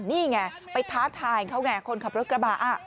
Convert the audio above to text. นี่ไงไปท้าทายเขาไงคนขับรถกระบะ